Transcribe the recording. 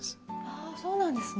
あそうなんですね。